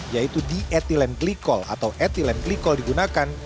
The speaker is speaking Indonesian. yaitu diethylenglikol atau ethylenglikol digunakan